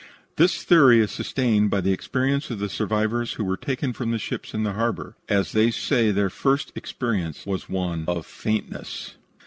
This theory is sustained by the experience of the survivors who were taken from the ships in the harbor, as they say that their first experience was one of faintness.